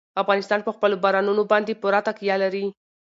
افغانستان په خپلو بارانونو باندې پوره تکیه لري.